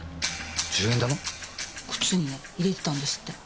靴にね入れてたんですって。